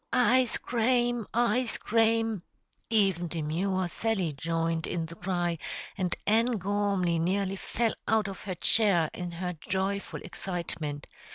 "Ice crame! ice crame!" Even demure Sally joined in the cry; and Ann Gormly nearly fell out of her chair in her joyful excitement.